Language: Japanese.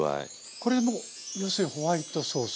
これも要するにホワイトソース？